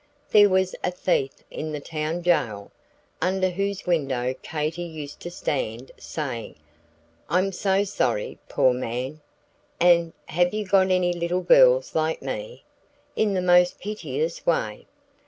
There was a thief in the town jail, under whose window Katy used to stand, saying, "I'm so sorry, poor man!" and "have you got any little girls like me?" in the most piteous way.